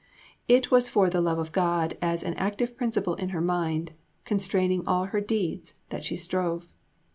It was for the love of God as an active principle in her mind, constraining all her deeds, that she strove.